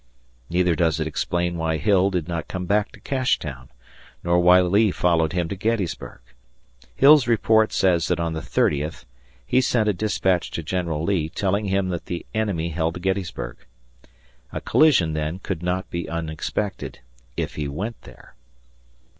Neither does it explain why Hill did not come back to Cashtown, nor why Lee followed him to Gettysburg. Hill's report says that on the thirtieth he sent a dispatch to General Lee, telling him that the enemy held Gettysburg. A collision, then, could not be unexpected if he went there.